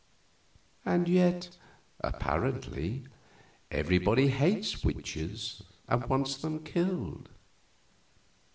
And yet apparently everybody hates witches and wants them killed.